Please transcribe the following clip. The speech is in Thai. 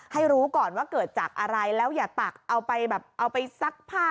ให้รู้ก่อนว่าเกิดจากอะไรแล้วอย่าตักเอาไปแบบเอาไปซักผ้า